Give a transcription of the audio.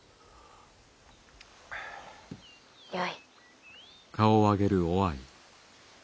よい。